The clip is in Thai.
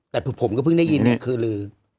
แต่ผมก็เพิ่งได้ยินคือลือ